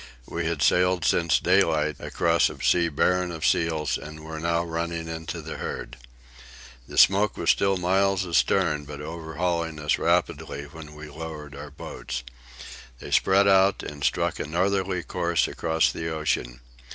We had sailed since daylight across a sea barren of seals, and were now running into the herd. The smoke was still miles astern, but overhauling us rapidly, when we lowered our boats. They spread out and struck a northerly course across the ocean.